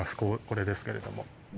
これですけれども。